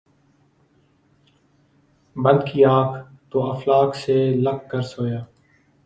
بند کی آنکھ ، تو افلاک سے لگ کر سویا